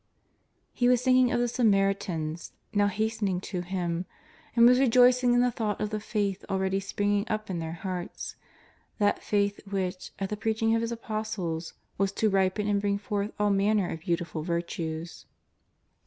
He was thinking of the Samaritans now hastening to JEStJS OF NAZAEETH. 161 Him, and was rejoicing in the thought of the faith already springing up in their hearts, that faith which at the preaching of His Apostles was to ripen and bring forth all manner of beautiful virtues.